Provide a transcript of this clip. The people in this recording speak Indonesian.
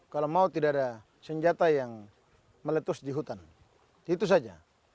kalau mau tidak ada senjata yang meletus di hutan itu saja